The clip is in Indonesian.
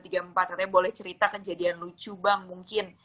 katanya boleh cerita kejadian lucu bang mungkin